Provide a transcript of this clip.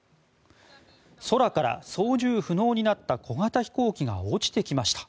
空から操縦不能になった小型飛行機が落ちてきました。